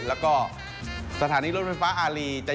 แล้วก็สถานีรถไฟฟ้าอารี